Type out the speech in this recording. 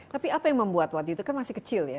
tapi apa yang membuat waktu itu kan masih kecil ya